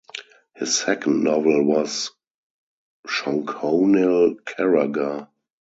His second novel was "Shonkhonil Karagar".